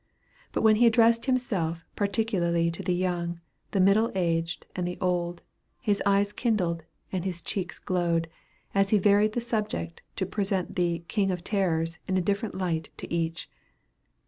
But when he addressed himself particularly to the young, the middle aged and the old, his eyes kindled, and his cheeks glowed, as he varied the subject to present the "king of terrors" in a different light to each.